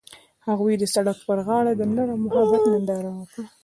هغوی د سړک پر غاړه د نرم محبت ننداره وکړه.